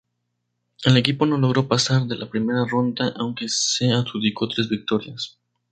El equipo no logró pasar de la primera ronda, aunque se adjudicó tres victorias.